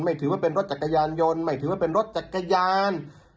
ถือว่าเป็นรถจักรยานยนต์ไม่ถือว่าเป็นรถจักรยาน